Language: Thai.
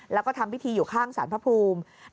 แล้วก็ทำพิธีอยู่ข้างสารพระภูมิ